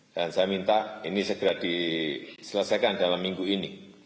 dan saya minta ini segera diselesaikan dalam minggu ini